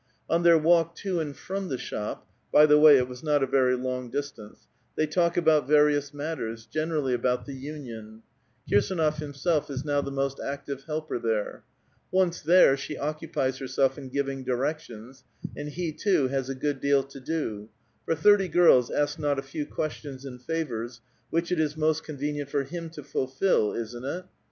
On their walk to and from the shop, — by the way, it was not a very long distance, — they Udk about various matters, generally about the union. Kirsdnof himself is now the most active helper there. Once there she occupies herself in giving directions, and he too has a good deal to do ; for thirty girls ask not a few questions and favors, which it is most convenient for him to fullil, isn't it?